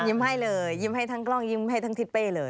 ให้เลยยิ้มให้ทั้งกล้องยิ้มให้ทั้งทิศเป้เลย